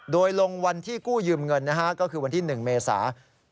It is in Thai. โดยลงวันที่กู้ยืมเงินก็คือวันที่๑เมษา